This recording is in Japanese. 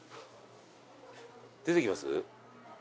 出てきます？